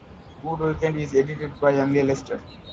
Good Weekend is edited by Amelia Lester.